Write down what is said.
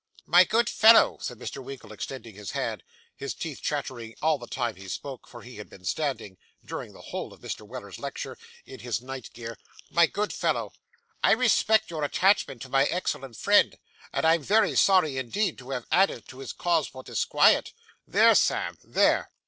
'My good fellow,' said Mr. Winkle, extending his hand his teeth chattering all the time he spoke, for he had been standing, during the whole of Mr. Weller's lecture, in his night gear 'my good fellow, I respect your attachment to my excellent friend, and I am very sorry indeed to have added to his causes for disquiet. There, Sam, there!